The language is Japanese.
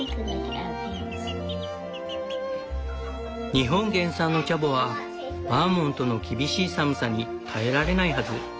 「日本原産のチャボはバーモントの厳しい寒さに耐えられないはず」。